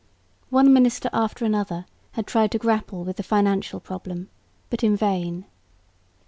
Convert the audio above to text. One minister after another had tried to grapple with the financial problem, but in vain.